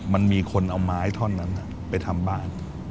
มันมีคนเอาไม้ท่อนนั้นไปทำบ้าน